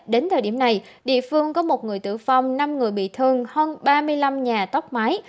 đến thời điểm này địa phương có một người tử vong năm người bị thương hơn ba mươi năm nhà tốc mái